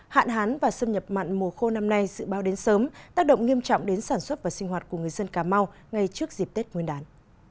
hạn hán và xâm nhập mặn mùa khô năm nay dự báo đến sớm tác động nghiêm trọng đến sản xuất và sinh hoạt của người dân cà mau ngay trước dịp tết nguyên đán